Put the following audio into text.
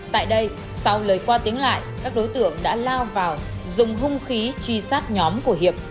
tại đây sau lời qua tiếng lại các đối tượng đã lao vào dùng hung khí truy sát nhóm của hiệp